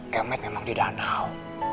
kemet memang di danau